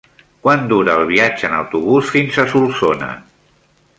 Quant dura el viatge en autobús fins a Solsona?